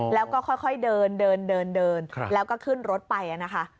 แล้วก็ค่อยเดินเดินแล้วก็ขึ้นรถไปนะคะ